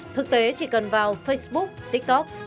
thực tế chỉ cần vào facebook tiktok